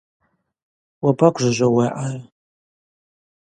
Уабагвжважвауа ауи аъара?